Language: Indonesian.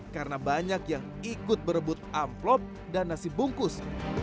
karena banyak yang ikut berebut amplop dan nasi bungkus